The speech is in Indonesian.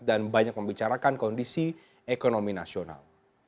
dan banyak membicarakan kondisi ekonomi nasional